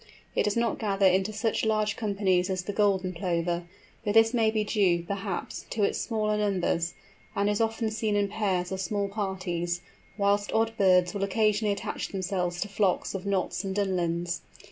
It does not gather into such large companies as the Golden Plover—but this may be due, perhaps, to its smaller numbers—and is often seen in pairs or small parties, whilst odd birds will occasionally attach themselves to flocks of Knots and Dunlins.